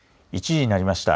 １時になりました。